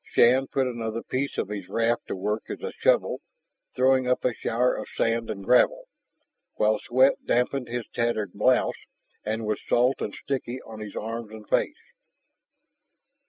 Shann put another piece of his raft to work as a shovel, throwing up a shower of sand and gravel while sweat dampened his tattered blouse and was salt and sticky on his arms and face.